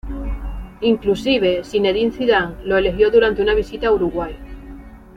Inclusive Zinedine Zidane lo elogió durante una visita a Uruguay.